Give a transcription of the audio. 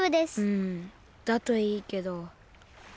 うんだといいけど。